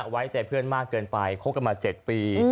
ไว้ใจเพื่อนมากเกินไปคบกันมา๗ปี